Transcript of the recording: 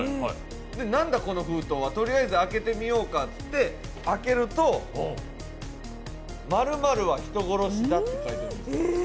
何だこの封筒は、とりあえず開けてみようかといって開けると「○○は人殺しだ」っていうんです。